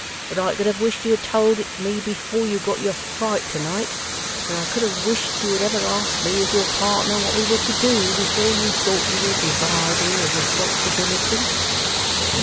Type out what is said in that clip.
But I could have wished you had told it me before you got your fright to night, and I could have wished you had ever asked me as your partner what we were to do, before you thought you were dividing a responsibility.